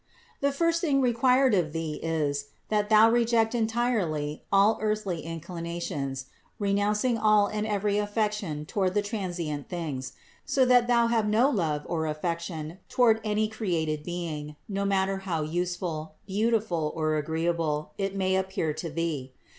The first thing required of thee is, that thou reject entirely all earthly inclinations, renouncing all and every affection toward the transient things, so that thou have no love or affection toward any created being, no matter how useful, beautiful or agreeable it may appear to thee.